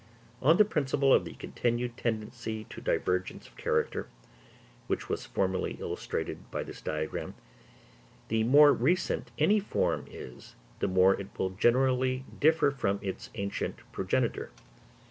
On the principle of the continued tendency to divergence of character, which was formerly illustrated by this diagram, the more recent any form is the more it will generally differ from its ancient progenitor.